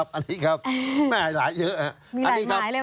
มีหลายหมายเลยวันนี้